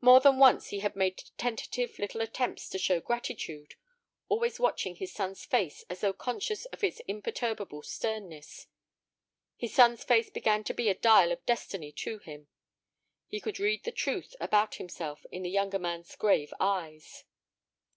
More than once he had made tentative little attempts to show gratitude, always watching his son's face as though conscious of its imperturbable sternness. His son's face began to be a dial of destiny to him. He could read the truth about himself in the younger man's grave eyes.